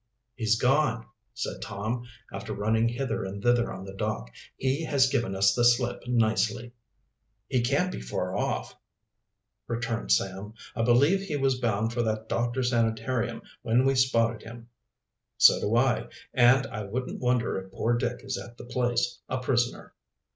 "He's gone," said Tom, after running hither and thither on the dock. "He has given us the slip nicely." "He can't be far off," returned Sam. "I believe he was bound for that doctor's sanitarium when we spotted him." "So do I, and I wouldn't wonder if poor Dick is at the place, a prisoner."